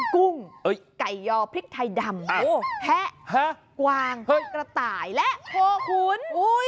กุ้งไก่ยอพริกไทยดำแพะกวางกระต่ายและโพขุน